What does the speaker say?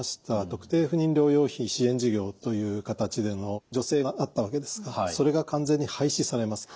特定不妊療養費支援事業という形での助成があったわけですがそれが完全に廃止されます。